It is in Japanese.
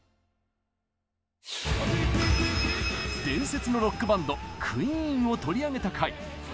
伝説のロックバンドクイーンを取り上げた回。